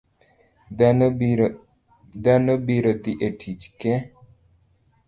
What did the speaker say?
Dhano biro dhi e tich ke